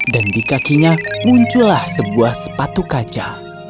dan di kakinya muncullah sebuah sepatu kaki